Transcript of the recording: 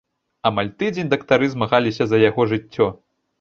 Амаль тыдзень дактары змагаліся за яго жыццё.